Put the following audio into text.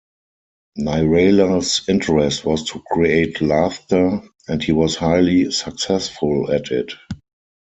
Nirala's interest was to create laughter, and he was highly successful at it.